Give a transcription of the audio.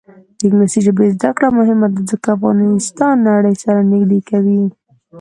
د انګلیسي ژبې زده کړه مهمه ده ځکه چې افغانستان نړۍ سره نږدې کوي.